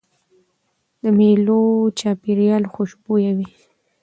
د مېلو چاپېریال خوشبويه وي.